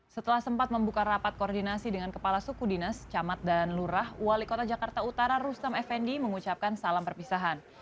setelah sempat membuka rapat koordinasi dengan kepala suku dinas camat dan lurah wali kota jakarta utara rustam effendi mengucapkan salam perpisahan